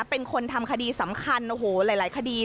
เป็นคนทำคดีสำคัญโอ้โหหลายคดี